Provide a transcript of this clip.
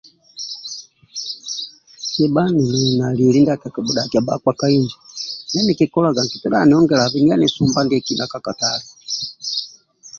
Kabha ninili na lieli ndia kakibhudhakia bhakpa ka inji nkitodhaka niongelabei yenisumba ndietolo kakatale